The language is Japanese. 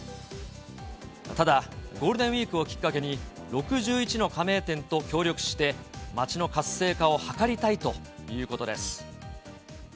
ただゴールデンウィークをきっかけに、６１の加盟店と協力して、街の活性化を図りたいということです。